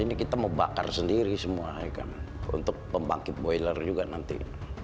ini kita mau bakar sendiri semua ya kan untuk pembangkit boiler juga nanti